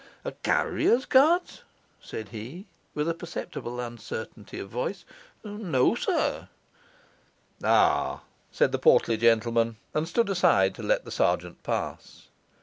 'A carrier's cart?' said he, with a perceptible uncertainty of voice. 'No, sir.' 'Ah!' said the portly gentleman, and stood aside to let the sergeant pass.